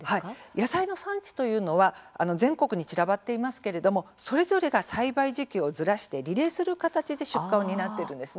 野菜の産地というのは全国に散らばっていますがそれぞれが栽培時期をずらし、リレーする形で出荷を担っているんです。